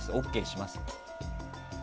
ＯＫします？